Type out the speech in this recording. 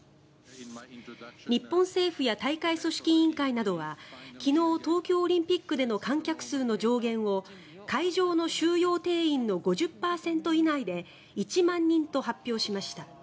日本政府や大会組織委員会などは昨日、東京オリンピックでの観客数の上限を会場の収容定員の５０％以内で１万人と発表しました。